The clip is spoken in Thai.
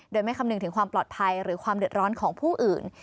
โดยไม่คำนึงถึงความปลอดภัยหรือความเดือดร้อนของผู้อื่น